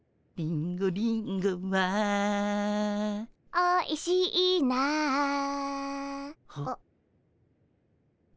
「おいしいな」あ。